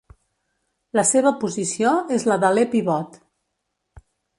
La seva posició és la d'aler pivot.